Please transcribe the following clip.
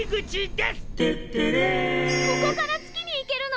ここから月に行けるの！？